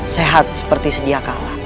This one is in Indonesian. sehat seperti sediakala